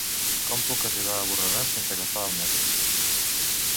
Com puc arribar a Borredà sense agafar el metro?